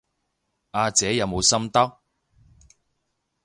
阿姐有冇心得？